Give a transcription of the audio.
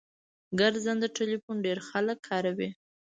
ګرځنده ټلیفون ډیر خلګ کاروي